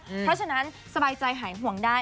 เพราะฉะนั้นสบายใจหายห่วงได้